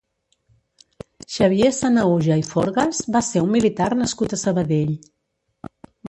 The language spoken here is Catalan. Xavier Sanahuja i Forgas va ser un militar nascut a Sabadell.